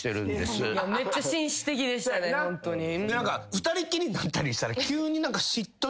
２人っきりになったりしたら。